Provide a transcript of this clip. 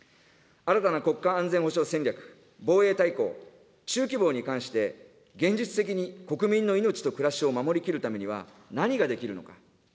新たな国家安全保障戦略、防衛大綱、中期防に関して現実的に国民の命と暮らしを守り切るためには何ができるのか。